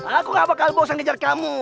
aku gak bakal bosan ngejar kamu